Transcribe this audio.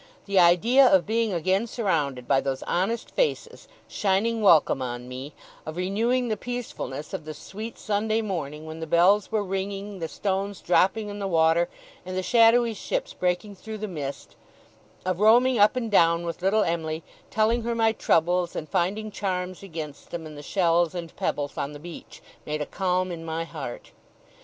The idea of being again surrounded by those honest faces, shining welcome on me; of renewing the peacefulness of the sweet Sunday morning, when the bells were ringing, the stones dropping in the water, and the shadowy ships breaking through the mist; of roaming up and down with little Em'ly, telling her my troubles, and finding charms against them in the shells and pebbles on the beach; made a calm in my heart.